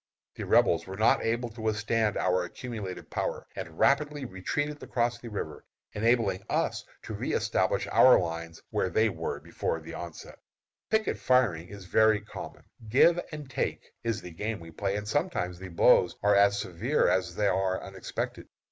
The Rebels were not able to withstand our accumulated power, and rapidly retreated across the river, enabling us to reëstablish our lines where they were before the onset. Picket firing is very common. "Give and take" is the game we play, and sometimes the blows are as severe as they are unexpected.